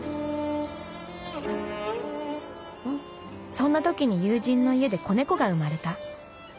「そんなときに友人の家で仔猫が生まれた。